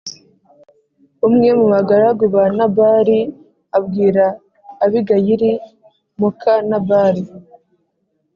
Umwe mu bagaragu ba Nabali abwira Abigayili muka Nabali